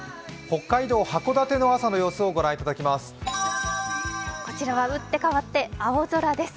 北海道函館の朝の様子をご覧いただきます。